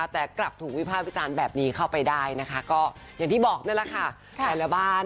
แต่กลับถูกได้มาเข้าไปได้นะครับ